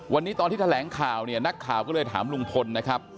วันนี้ตอนที่แถลงข่าวเนี่ยนักข่าวก็เลยถามลุงพลนะครับ